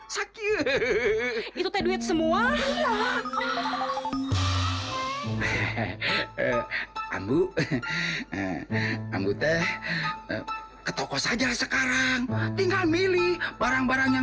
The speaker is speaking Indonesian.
sakit itu semua hehehe ambu ambu teh ke toko saja sekarang tinggal milih barang barang yang